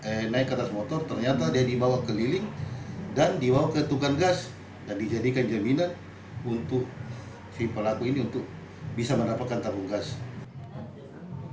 saya naik ke atas motor ternyata dia dibawa keliling dan dibawa ke tukang gas dan dijadikan jaminan untuk si pelaku ini untuk bisa mendapatkan tabung gas